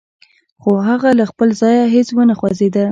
خو هغه له خپل ځايه هېڅ و نه خوځېده.